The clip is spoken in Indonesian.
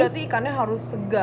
berarti ikannya harus segar